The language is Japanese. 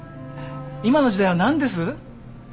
今の時代は何です？